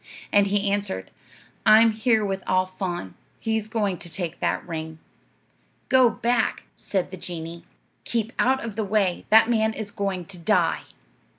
And he answered, 'I'm here with Al Faan; he's going to take that ring.' 'Go back,' said the genie; 'keep out of the way. That man is going to die.'